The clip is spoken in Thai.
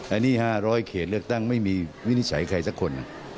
อันนี้๕๐๐เขตเลือกตั้งไม่มีวินิจฉัยใครสักคน